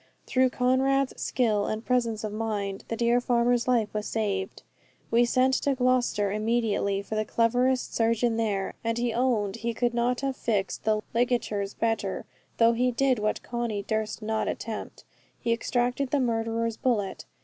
Through Conrad's skill and presence of mind, the dear farmer's life was saved. We sent to Gloucester immediately for the cleverest surgeon there; and he owned that he could not have fixed the ligatures better, though he did what Conny durst not attempt, he extracted the murderer's bullet.